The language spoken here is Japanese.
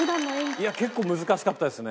いや結構難しかったですね。